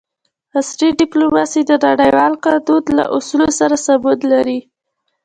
عصري ډیپلوماسي د نړیوال قانون له اصولو سره سمون لري